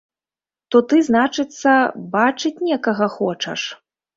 То ты, значыцца, бачыць некага хочаш?!